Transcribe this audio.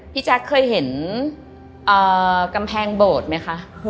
พี่จ๊ากเคยเห็นกำแพงโบร์ดไหมคะ